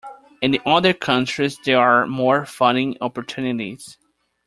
In other countries there are more funding opportunities.